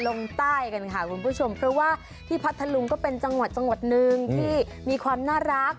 ลงใต้กันค่ะคุณผู้ชมเพราะว่าที่พัทธลุงก็เป็นจังหวัดจังหวัดหนึ่งที่มีความน่ารัก